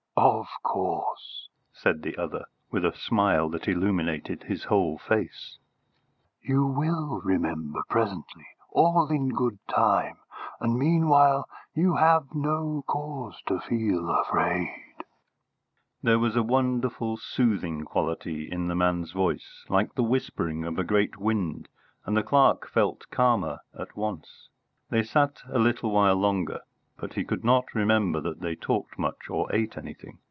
"Of course," said the other, with a smile that illumined his whole face. "You will remember presently, all in good time, and meanwhile you have no cause to feel afraid." There was a wonderful soothing quality in the man's voice, like the whispering of a great wind, and the clerk felt calmer at once. They sat a little while longer, but he could not remember that they talked much or ate anything.